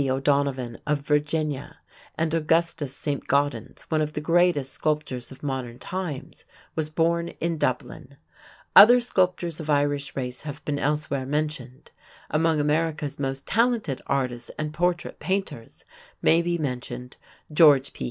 O'Donovan of Virginia; and Augustus Saint Gaudens, one of the greatest sculptors of modern times, was born in Dublin. Other sculptors of Irish race have been elsewhere mentioned. Among America's most talented artists and portrait painters may be mentioned George P.